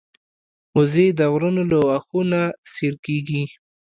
وزې د غرونو له واښو نه سیر کېږي